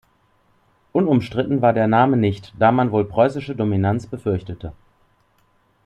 Unumstritten war der Name nicht, da man wohl preußische Dominanz befürchtete.